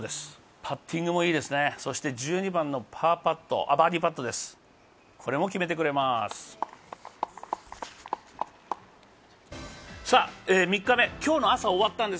パッティングもいいですね、そして１２番のバーディーパットです。